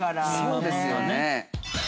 ◆そうですよね。